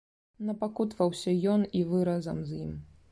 Напакутаваўся ён і вы разам з ім.